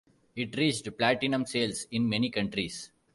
It reached platinum sales in many countries.